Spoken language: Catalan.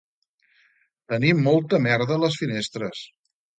Tenir molta merda a les finestres